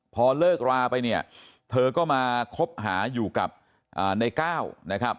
พอเลิกราไปเนี่ยเธอก็มาคบหาอยู่กับในก้าวนะครับ